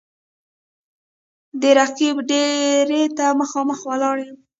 د رقیب دېرې ته مـــخامخ ولاړ یـــــم